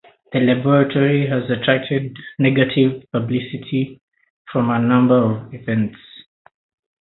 The laboratory has attracted negative publicity from a number of events.